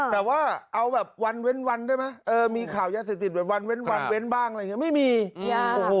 แต่ว่าเอาแบบวันเว้นวันได้ไหมเออมีข่าวยาเสพติดแบบวันเว้นวันเว้นบ้างอะไรอย่างนี้ไม่มียังโอ้โห